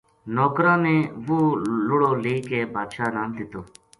نوکراں نے وہ لڑو لے کے بادشاہ نا دیتو